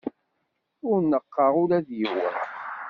Ur neɣɣeɣ ula d yiwen.